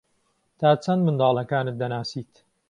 تا چەند منداڵەکانت دەناسیت؟